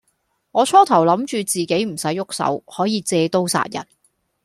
我初頭諗住自己唔使郁手，可以借刀殺人